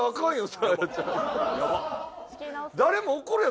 サーヤちゃんを。